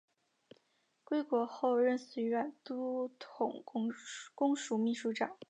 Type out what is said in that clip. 归国后任绥远都统公署秘书长。